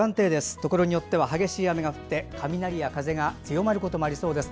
ところによっては激しい雨が降って雷や風が強まることもありそうです。